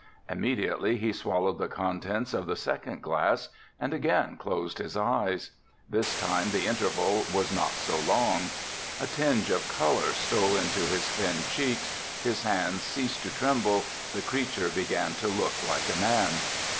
Immediately he swallowed the contents of the second glass and again closed his eyes. This time the interval was not so long. A tinge of colour stole into his thin cheeks, his hands ceased to tremble, the creature began to look like a man.